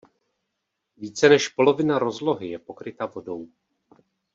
Více než polovina rozlohy je pokryta vodou.